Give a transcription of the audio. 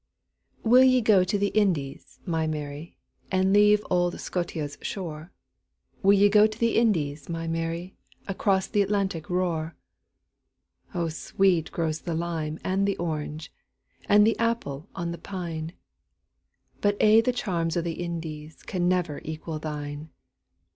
WILL ye go to the Indies, my Mary, And leave auld Scotia's shore? Will ye go to the Indies, my Mary, Across th' Atlantic roar?O sweet grows the lime and the orange, And the apple on the pine; But a' the charms o' the IndiesCan never equal thine.